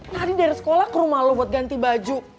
lari dari sekolah ke rumah lo buat ganti baju